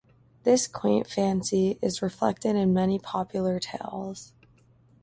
This quaint fancy is reflected in many popular tales.